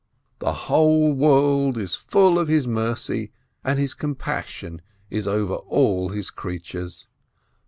The whole world is full of His mercy, and His compassion is over all His creatures.